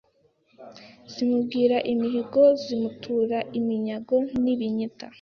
zimubwira imihigo zimutura iminyago n’ibinyita